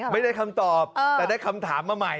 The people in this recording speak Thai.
ไม่ได้คำตอบแต่ได้คำถามมาใหม่